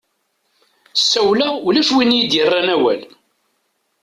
Sawleɣ ulac win iyi-d-yerran awal.